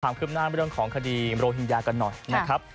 ถามคลิปหน้าเรื่องของคดีโมโลหิงยากันหน่อยนะครับ